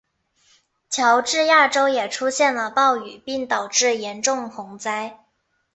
乔治亚州也出现了暴雨并导致严重洪灾。